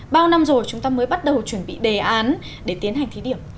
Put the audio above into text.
bao năm rồi chúng ta mới bắt đầu chuẩn bị đề án để tiến hành thí điểm